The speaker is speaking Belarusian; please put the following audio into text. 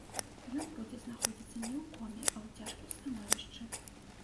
Ён будзе знаходзіцца не ў коме, а ў цяжкім становішчы.